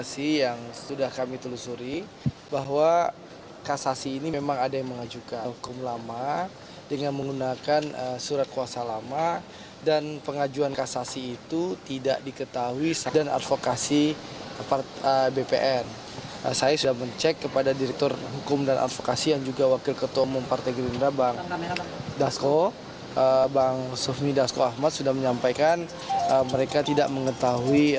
saya sudah mengecek kepada direktur hukum dan advokasi yang juga wakil ketua umum partai gerindra bang dasko bang sufmi dasko ahmad sudah menyampaikan mereka tidak mengetahui